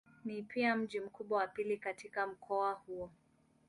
Ni pia mji mkubwa wa pili katika mkoa huu.